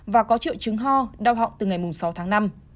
và có triệu chứng ho đau họng từ ngày sáu tháng năm